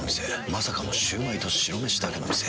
まさかのシュウマイと白めしだけの店。